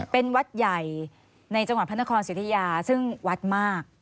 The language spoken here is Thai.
เป็นวัดใหญ่ในจังหวัดพระนครสิทธิยาซึ่งวัดมาก